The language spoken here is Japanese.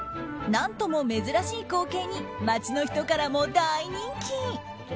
何とも珍しい光景に街の人からも大人気。